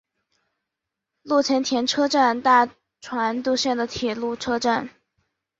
陆前高田车站大船渡线的铁路车站。